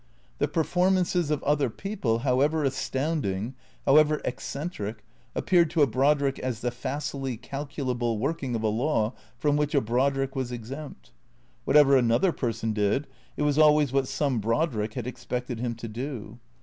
The performances of other people, however astounding, however eccentric, appeared to a Brodrick as the facilely calculable working of a law from which a Brodrick was exempt. Whatever another person did, it was always what some Brodrick had expected him to do.